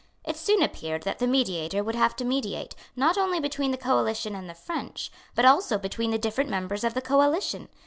It soon appeared that the mediator would have to mediate, not only between the coalition and the French, but also between the different members of the coalition.